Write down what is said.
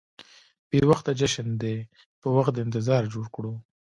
بې وخته جشن دې په وخت د انتظار جوړ کړو.